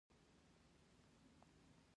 د کلیزو منظره د افغانستان د شنو سیمو ښکلا ده.